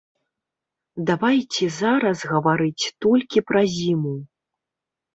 Давайце зараз гаварыць толькі пра зіму.